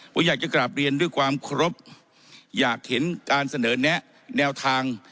ผมอยากจะกราบเรียนด้วยความเคารพอยากเห็นการเสนอแนะแนวทาง